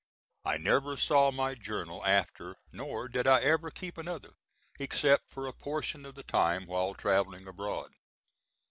I never saw my journal after, nor did I ever keep another, except for a portion of the time while travelling abroad.